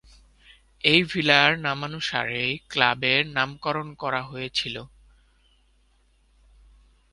এই ভিলার নামানুসারেই ক্লাবের নামকরণ করা হয়েছিল।